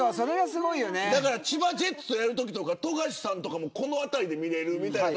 千葉ジェッツとやるときとか富樫さんとかもこの辺りで見れる。